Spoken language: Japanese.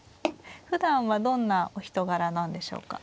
ふだんはどんなお人柄なんでしょうか。